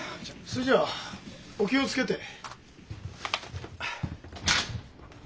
それじゃあお気を付けて！